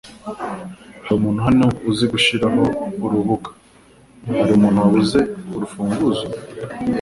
Hari umuntu hano uzi gushiraho urubuga? hari umuntu wabuze urufunguzo?